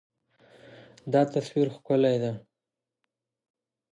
دا تصویر ښکلی دی.